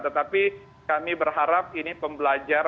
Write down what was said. tetapi kami berharap ini pembelajaran